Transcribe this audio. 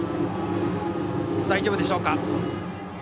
大丈夫でしょうか。